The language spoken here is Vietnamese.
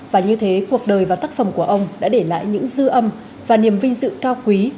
và như thế cuộc đời và tác phẩm của ông đã để lại những dư âm và niềm vinh dự cao quý